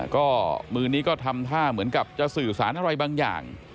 ก็มือนี้ก็ทำท่าเหมือนกับจะสื่อสารอะไรบางอย่าง